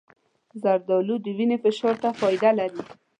زردالو د وینې فشار ته فایده لري.